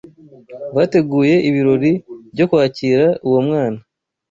Bateguye ibirori byo kwakira uwo mwana,